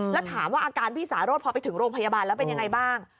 แล้วถามว่าอาการพี่สาโรธพอไปถึงโรงพยาบาลแล้วเป็นยังไงบ้าง